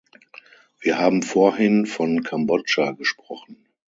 Wir haben vorhin von Kambodscha gesprochen.